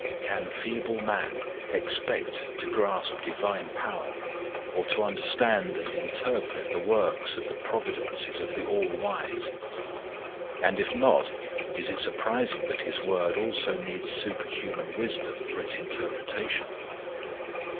Can feeble man expect to grasp divine power, or to understand and interpret the works or the providences of the All wise? And if not, is it surprising that His Word also needs superhuman wisdom for its interpretation?